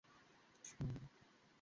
অনেকদিন পর একটা ভালো নিউজ পেলাম!